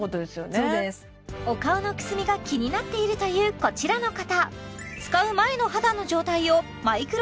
そうですお顔のくすみが気になっているというこちらの方